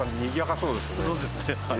そうですね。